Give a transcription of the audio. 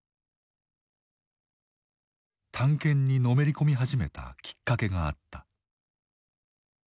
探検にのめり込み始めたきっかけがあった。